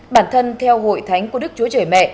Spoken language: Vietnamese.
bản thân theo hội thánh của đức chúa trời mẹ